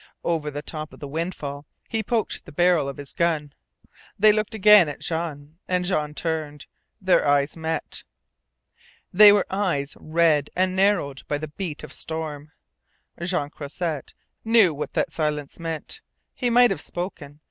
Over the top of the windfall he poked the barrel of his gun. Then he looked again at Jean. And Jean turned. Their eyes met. They were eyes red and narrowed by the beat of storm. Jean Croisset knew what that silence meant. He might have spoken.